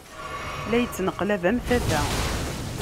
La ittneqlab am tata.